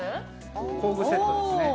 工具セットですね。